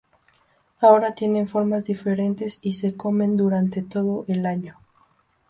Ahora tienen formas diferentes y se comen durante todo el año.